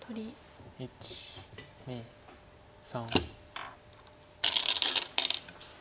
１２３。